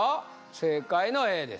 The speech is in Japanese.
正解のＡです